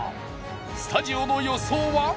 スタジオの予想は？